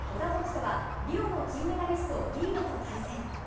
人はリオの金メダリスト、リードと対戦。